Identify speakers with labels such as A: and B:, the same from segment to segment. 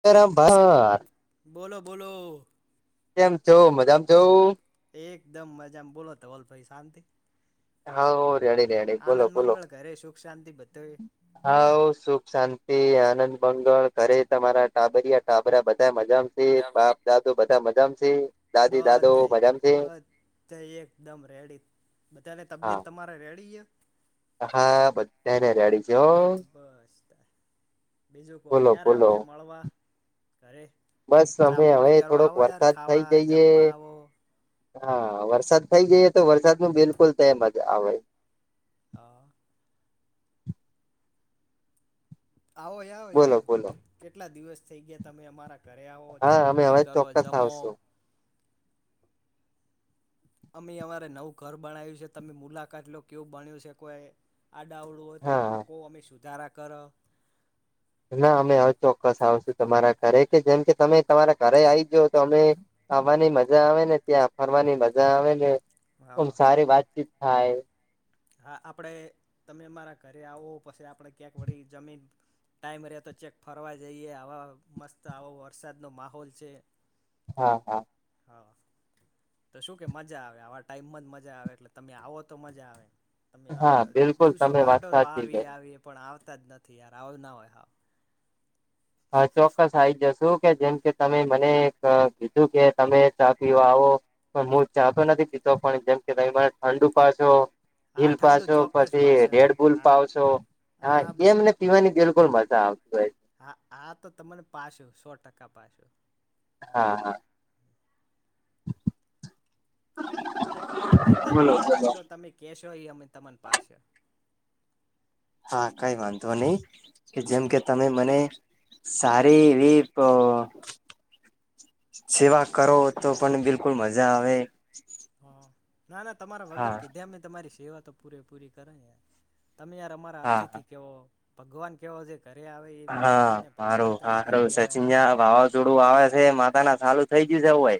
A: [inaudible]
B: બોલો બોલો.
A: એમ છ મજમ
B: એકદમ મજામાં બોલો તો વલ ભાઈ શાંતિ.
A: હા હુ રેડી. રેડી બોલો
B: આનંદ મંગળ કરે સુખ શાંતિ બધય.
A: હા સુખ શાંતિ આનંદ મંગળ ઘરે તમારા ટાબરિયા ટાબરા બધા મજામ. બાપ દાદો બધા મજામ છે દાદી દાદો મજામ છે.
B: તે એકદમ રેડી બધાને
A: હા
B: તબિયત તમારે રેડી હૈ.
A: હા બધા ને રેડી. છે હો
B: બસ તાન બીજું કો
A: બોલો
B: ક્યારે
A: બોલો
B: આવશે મળવા. ઘરે
A: બસ અમે
B: ચા
A: હવે
B: પોની કરવા
A: થોડોક
B: આવો યાર
A: વરસાદ થઈ
B: ખાવા
A: જઈએ
B: જમવા આવો.
A: હા, વરસાદ થઇ જઈએ તો, વરસાદ નું બિલકુલ તેમજ આવે.
B: હા આવો આવો
A: બોલો
B: યાર,
A: બોલો
B: કેટલા દિવસ થઈ ગયા, તમે અમારા ઘ આવો
A: હા
B: ચાપ
A: અમે હવે
B: પાણી કરો
A: ચોક્કસ
B: જમો.
A: આવશું
B: અમે અમારે નવું ઘર બનાવ્યું છે, તમે મુલાકાત લો કેવું બણ્યું છે, કોય આ ડાવડું હોય તો
A: હા
B: અમને કોહ અમે સુધારા કરો.
A: ના અમે હવે ચોક્કસ આવશું તમારા ઘરે કે જેમ કે તમે તમારા ઘરે આવી જા તો અમે ખાવાની મજા આવે ને ત્યાં ફરવાની મજા આવે ને આમ
B: હા.
A: સારી વાતચીત થાય.
B: હા આપણેે તમે મારા ઘરે આવો પછી આપણેે ક્યાંક વળી જમીન ટાઇમ રેય તો ચેક ફરવા જઈએ આવા મસ્ત આવો વરસાદનો માહોલ છે.
A: હા હા.
B: હા. તો શું કે મજા આવે આવા ટાઈમમાં જ મજા આવે એટલે તમે આવો તો મજા આવે. તમે આ
A: હા બિલકુલ
B: દિવસો
A: તમે વાત
B: કાઢો તો
A: સાચી
B: આવી
A: કરી
B: આવી પણ આવતા જ નથી યાર આવું ના હોય હાવ.
A: હ ચોક્કસ આવી જશું કે જેમ કે તમે મને એક કીધું કે તમે ચા પીવા આવો. પણ હું ચાતો નથી પીતો પણ જેમ કે તમે મને ઠંડું પાશો.
B: હા
A: હિલ
B: ઠંડુ
A: પાશો
B: ચોક્કસ
A: પછી
B: પાછળ
A: રેડ બુલ
B: હા
A: પાવ છો હા એમને. પીવાની બિલકુલ મજા આવતી હોય.
B: હા આ તો તમને પાશુ સો ટકા પાશુ.
A: હા હા.
B: તમે એકદીન
A: બોલો બોલો
B: મુલાકાત લો તમે કેશો એ અમે તમન પાસે.
A: હા કઈ વાંધો નઈ કે જેમ
B: હમ
A: કે. તમે મને સારી એવી ક. સેવા કરો તો પણ બિલકુલ મજા આવે.
B: હા ના ના તમારા વગર
A: હા
B: કીધા મેં તમારી સેવા તો પૂરે પૂરી કરા આ. તમે યાર અમારા
A: હા
B: અથીથી કેવો ભગવાન કેવો છે. ઘરે આવે એ
A: હા
B: મહેમાન ને ભગવાન તરીકે જ કેહેવાય.
A: જોડું આવે છે માતા ના ચાલું થઈ ગયું છે એવું હોય.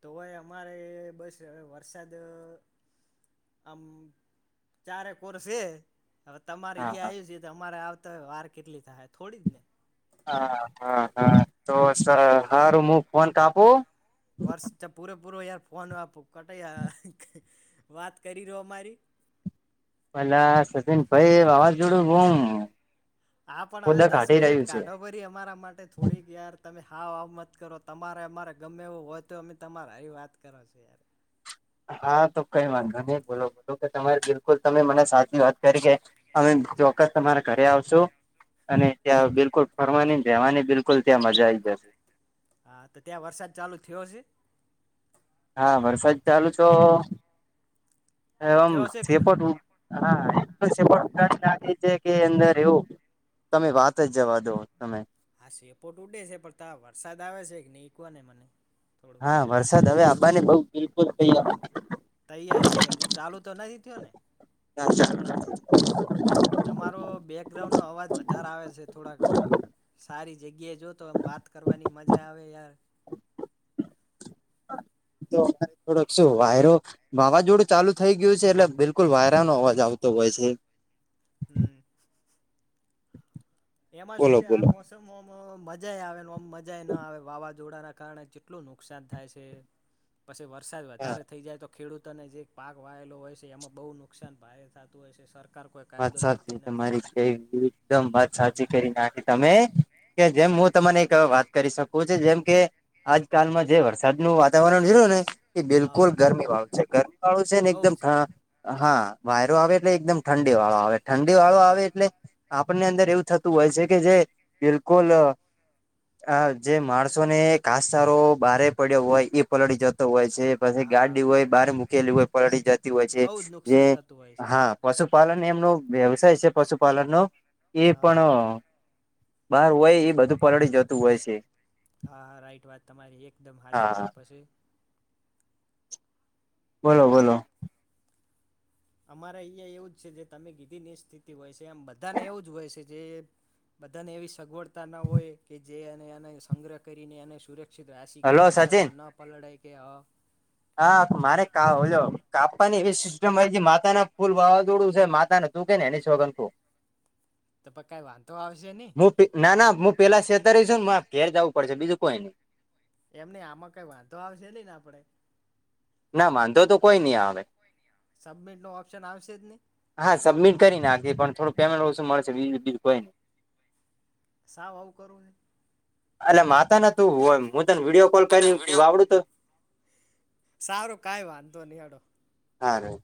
B: તોયે અમારે બસ વરસાદ આમ ચારે કોરસે. હવે તમારે
A: હા
B: ઈયા
A: હા
B: આવ્યું છે તો અમારે આવતાય વાર કેટલી થાય થોડી જ ને.
A: હા હા હા તો
B: હા
A: સારું હારુ મુક ફોન કાપ
B: [unintelligible] વર્ષ પૂરેપૂરો યાર ફોન આપુ કટ, અ વાત કરી રીયો અમારી.
A: પેલા સચિન ભાઈ વાવાઝોડું બુમ
B: આ પણ હવે દસ મિનિટ
A: છે
B: કાઢો વરી અમારા માટે થોડીક યાર તમે હા વા મત કરો તમારે અમારે ગમે એવું હોત તો અમે તમારે એ વાત કરો છો યાર.
A: હા તો કઈ વાઢો બોલો બોલો કે તમારી બિલકુલ તમે મને સાચી વાત કરી કે અમે ચોક્કસ તમારા ઘરે આવશું અને ત્યાં
B: હા
A: બિલકુલ ફરવાની જવાની બિલકુલ ત્યાં મજા આવી જસે.
B: હા તો ત્યાં વરસાદ ચાલુ થયો છે?
A: હા વરસાદ ચાલુ છો એમ
B: થયો છે કે ને
A: સેપોટ હા [unintelligible] લાગી છે કે અંદર એવું. તમે વાત જ જવા દો તમે.
B: આ શેપોટ ઉડે છે પણ ત વરસાદ આવે છે કે ની એ કવ ને મને થોડું.
A: હા વરસાદ હવે આવાને બ બિલકુલ [unintelligible]
B: તૈયારી છે હજુ ચાલુ તો નથી થયો ને?
A: [inaudible]
B: બેકગ્રાઉન્ડ નો અવાજ વધારે આવે છે થોડાક સારી જગ્યાએ જો તો વાત કરવાની મજા આવે યાર.
A: તો અમને થોડોક શું વાયરો વાવાઝોડું ચાલુ થઇ ગયું છે એટલે બિલકુલ વાયરાનો અવાજ આવતો હોય છે.
B: હમ.
A: [inaudible]
B: એમાં શું
A: બોલો
B: કે આ
A: બોલો
B: મોસમમ મજા આવે આમ મજા ના આવે વાવાઝોડાના કારણે કેટલું નુકસાન થાય છે પછી વરસાદ વધારે થઈ જાય તો ખેડૂતોને જે પાક વાયેલો હોય છે એમાં બહુ નુકસાન ભારે થાતું હોય છે. સર કાર કોઈ કાયદો લેતી નથી.
A: એવી એકદમ વાત સાચી કરી નાખી તમે કે જેમ
B: હા
A: હું તમને એક વા કરી શકોવ છે જેમ કે આજકાલમાં જે વરસાદનું વાતાવરણ રિયુ ને
B: હા
A: બિલકુલ ગરમી વાળું છે ગરમી વાળું છે ને
B: બહુ
A: એકદમ
B: જ
A: હ હા વાયરો આવે એટલે એકદમ ઠંડી વાળો આવે ઠંડી વાળો
B: હા
A: આવે એટલે આપણને અંદર એવું થતું હોય છે કે જે બિલકુલ અ અ જે માણસો ને ઘાસચારો બારે પડ્યો હોય એ પલળી જતો હોય છે. પછી
B: હા
A: ગાડી હોય બહાર મૂકેલી હોય પલળી જતી હોય છે
B: બહુ જ
A: જે
B: નુકસાન થતું હોય છે
A: હા પશુપાલન એમનો વ્યવસાય છે પશુપાલનનો એ
B: હા
A: પણ અ બહાર હોય એ બધું પલળી જતું હોય છે.
B: હા હા રાઈટ વાત તમારી એકદમ હાચી
A: હા
B: વાત પછી
A: બોલો બોલો.
B: અમારે અહંયા એવું જ છે જે તમે કીધી ની એજ સ્થિતિ હોય છે એમ બધાને એવું જ હોય છે જે બધાને એવી સગવડતા ના હોય કે જે એને એને સંગ્રહ કરીને એને સુરેક [inaudible] રાસીકે
A: હલો સચિન
B: વરસાદમાં ન પલડે કે હા.
A: હા મારે કા ઓલું કાપવાની એવી સિસ્ટમ આઇજી માતા ના ફૂલ વાવાઝોડું છે. માતા ના તું કેન એની. [inaudible]
B: તો પઇ કાઈ વાંધો આવશે ની?
A: ના ના હું પેલા સેતરે છું ને માર ઘેર જાવું પડશે બીજું કોઈ નઈ.
B: એમ નઈ આમાં કઈ વાંધો આવશે નહીં ને આપડે?
A: ના વાંધો તો કોઈ નહી આવે.
B: સબમિટ નો ઓપ્શન આવશે જ નહી
A: હા સબમિટ કરી નાખી પણ થોડું પેમેન્ટ ઓછું મળસે. બીજુ તિજુ કોય ની.
B: સાવ આવું કરું હે?
A: અલા માતાના તું હોય હું તને વિડીયો કોલ કરી વાવડું તો?
B: સારું કાઈ વાંધો નહિ હેડો.
A: હારુ.